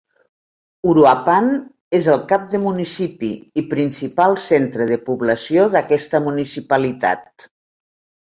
Uruapan és el cap de municipi i principal centre de població d'aquesta municipalitat.